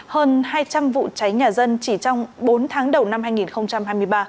hơn hai trăm linh vụ cháy nhà dân chỉ trong bốn tháng đầu năm hai nghìn hai mươi ba